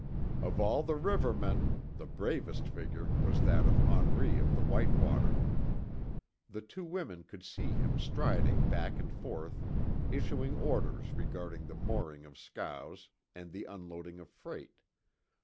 Of all the rivermen, the bravest figure was that of Henri of the White Water. The two women could see him striding back and forth issuing orders regarding the mooring of scows and the unloading of freight.